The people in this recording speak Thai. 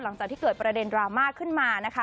หลังจากที่เกิดประเด็นดราม่าขึ้นมานะคะ